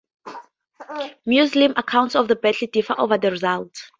Muslim accounts of the battle differ over the result.